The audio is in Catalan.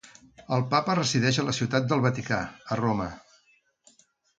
El Papa resideix a la Ciutat del Vaticà, a Roma.